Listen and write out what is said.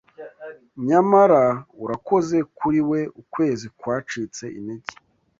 Nyamara urakoze kuriwe Ukwezi kwacitse intege